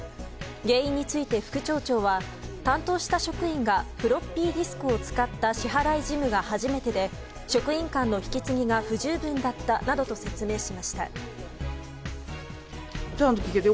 原因について副町長は担当した職員がフロッピーディスクを使った支払い事務が初めてで、職員間の引き継ぎが不十分だったなどと説明しました。